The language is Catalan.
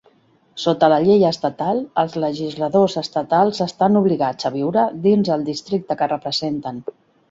Sota la llei estatal, els legisladors estatals estan obligats a viure dins el districte que representen.